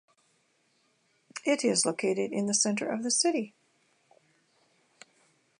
It is located in the centre of the city.